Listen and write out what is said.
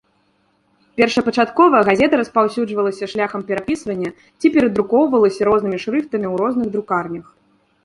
Першапачаткова газета распаўсюджвалася шляхам перапісвання ці перадрукоўвалася рознымі шрыфтамі ў розных друкарнях.